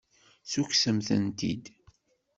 Ssukksemt-tent-id.